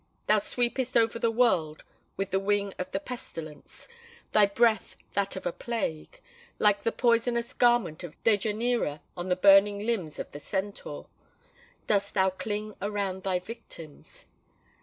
Thou sweepest over the world with the wing of the pestilence: thy breath that of a plague:—like the poisonous garment of Dejanira on the burning limbs of the Centaur, dost thou cling around thy victims.